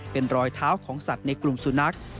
เป็นรอยเท้าของสัตว์ในกลุ่มสุนัข